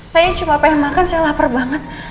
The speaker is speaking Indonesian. saya cuma pengen makan saya lapar banget